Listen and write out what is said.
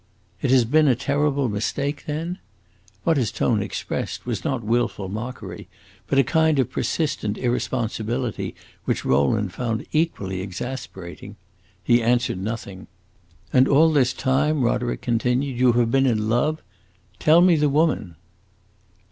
"It has been a terrible mistake, then?" What his tone expressed was not willful mockery, but a kind of persistent irresponsibility which Rowland found equally exasperating. He answered nothing. "And all this time," Roderick continued, "you have been in love? Tell me the woman."